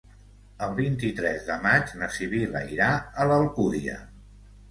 El vint-i-tres de maig na Sibil·la irà a l'Alcúdia.